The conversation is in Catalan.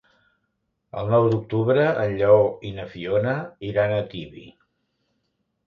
El nou d'octubre en Lleó i na Fiona iran a Tibi.